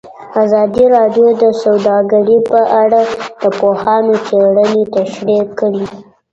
ازادي راډیو د سوداګري په اړه د پوهانو څېړنې تشریح کړې.